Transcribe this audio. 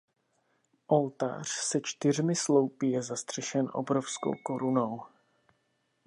Oltář se čtyřmi sloupy je zastřešen obrovskou korunou.